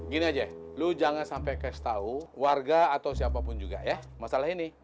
gini aja lu jangan sampe kes tau warga atau siapapun juga ya masalah ini